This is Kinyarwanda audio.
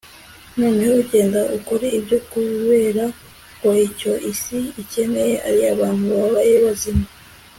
noneho genda ukore ibyo. kubera ko icyo isi ikeneye ari abantu babaye bazima